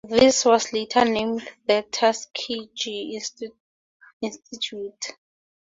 This was later named the Tuskegee Institute.